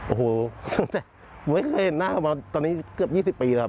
โอ้โหไม่เคยเห็นหน้ามาตอนนี้เกือบ๒๐ปีแล้วครับ